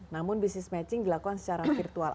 namun bisnis matching dilakukan secara virtual